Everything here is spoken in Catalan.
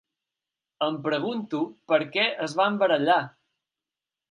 Em pregunto perquè es van barallar.